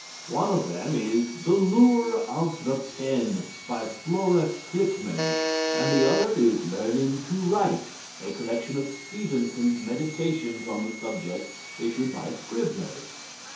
One of them is "The Lure of the Pen," by Flora Klickmann, and the other is "Learning to Write," a collection of Stevenson's meditations on the subject, issued by Scribners.